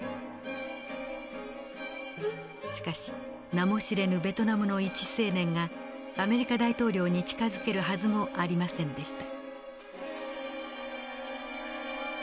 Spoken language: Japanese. しかし名も知れぬベトナムの一青年がアメリカ大統領に近づけるはずもありませんでした。